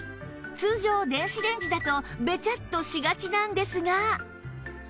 通常電子レンジだとベチャッとしがちなんですが